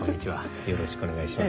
よろしくお願いします。